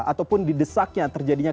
ataupun didesaknya terjadinya